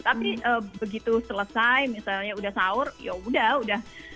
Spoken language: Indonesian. tapi begitu selesai misalnya udah sahur ya udah